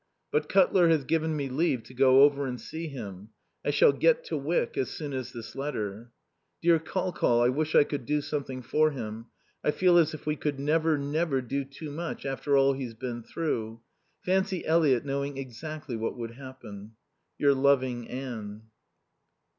But Cutler has given me leave to go over and see him. I shall get to Wyck as soon as this letter. Dear Col Col, I wish I could do something for him. I feel as if we could never, never do too much after all he's been through. Fancy Eliot knowing exactly what would happen. Your loving Anne.